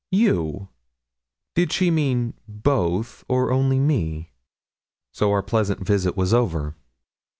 You; did she mean both, or only me? So our pleasant visit was over.